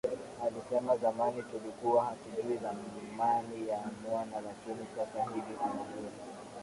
Alisema zamani tulikwa hatujui thamani ya mwani lakini sasa hivi tunajua